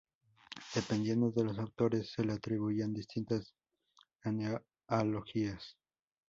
Dependiendo de los autores se le atribuían distintas genealogías.